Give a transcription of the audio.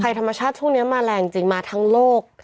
ธรรมชาติช่วงนี้มาแรงจริงมาทั้งโลก